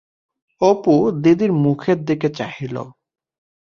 অপু দিদির মুখের দিকে চাহিল।